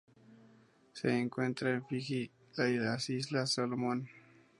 Se encuentra en Fiji y las Islas Salomón.